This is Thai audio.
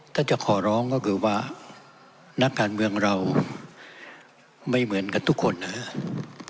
ถ้าจะขอร้องก็คือว่านักการเมืองเราไม่เหมือนกับทุกคนนะครับ